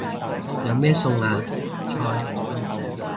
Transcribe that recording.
有咩餸啊？菜